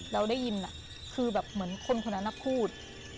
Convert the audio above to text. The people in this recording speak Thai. แล้วได้ยินคือเหมือนคนคนนั้นน่ะพูด